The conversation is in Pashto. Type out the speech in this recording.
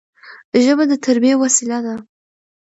ژبه د تربيي وسیله ده.